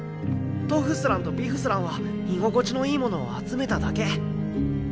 トフスランとビフスランは居心地のいいものを集めただけ。